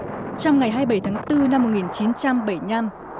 trong ngày hai mươi bảy tháng bốn năm một nghìn chín trăm bảy mươi năm